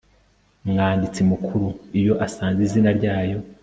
mwanditsi mukuru iyo asanze izina ryayo